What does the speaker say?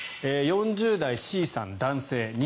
４０代、Ｃさん、男性。